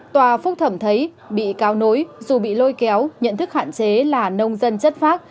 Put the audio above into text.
tòa phúc thẩm thấy bị cáo nối dù bị lôi kéo nhận thức hạn chế là nông dân chất phác